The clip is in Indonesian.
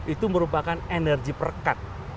itu merupakan energi perekat